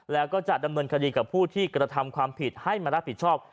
แล้วก็จะดำเนินคดีกับผู้ที่กระทำความผิดให้มารับผิดชอบ